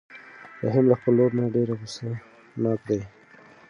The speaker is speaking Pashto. رحیم له خپل ورور نه ډېر غوسه ناک دی.